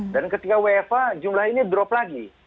dan ketika wfh jumlah ini drop lagi